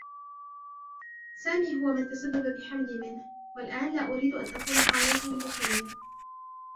سامي هو من تسبّب بحملي منه و الآن لا أريد أن أكون حاضنته البشريّة.